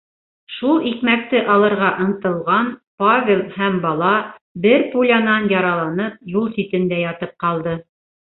Шул икмәкте алырға ынтылған Павел һәм бала, бер пулянан яраланып, юл ситендә ятып ҡалды.